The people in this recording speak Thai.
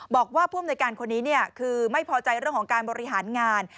บอกว่าผู้อำนวยการคนนี้คือไม่พอใจเรื่องของการบริหารงาน